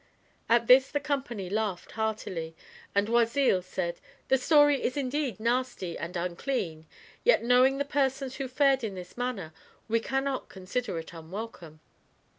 At this the company laughed heartily, and Oisille said "The story is indeed nasty and unclean, yet, knowing the persons who fared in this manner, we cannot consider it unwelcome.